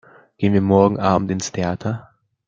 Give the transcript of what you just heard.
Gehen wir morgen Abend ins Theater?